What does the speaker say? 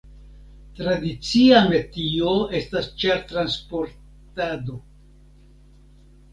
Tradicia metio estis ĉartransportado.